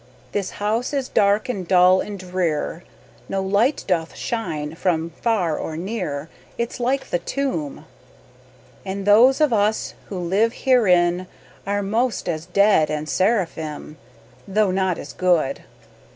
This house is dark and dull and dreer No light doth shine from far or near Its like the tomb. And those of us who live herein Are most as dead as serrafim Though not as good.